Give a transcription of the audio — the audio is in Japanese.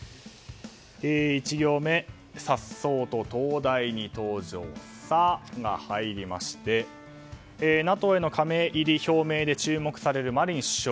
１行目、颯爽と東大に登場「サ」が入りましてＮＡＴＯへの加盟入り表明で注目されるマリン首相。